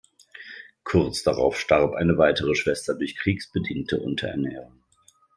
Kurz darauf starb eine weitere Schwester durch kriegsbedingte Unterernährung.